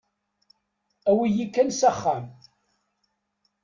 Awi-yi kan s axxam.